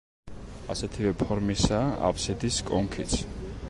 ასეთივე ფორმისაა აფსიდის კონქიც.